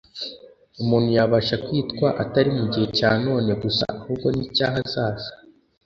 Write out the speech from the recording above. umuntu yabasha kwitwa atari mu gihe cya none gusa ahubwo n'icy'ahazaza.